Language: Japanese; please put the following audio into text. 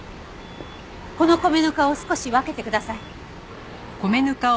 この米ぬかを少し分けてください。